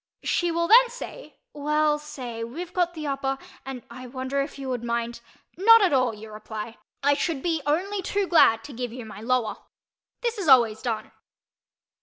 She will then say "Well say—we've got the upper—and I wonder if you would mind—" "Not at, all," you reply, "I should be only too glad to give you my lower." This is always done.